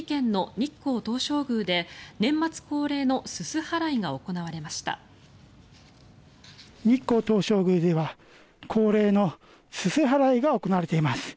日光東照宮では恒例のすす払いが行われています。